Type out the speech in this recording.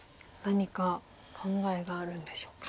何か考えがあるんでしょうか。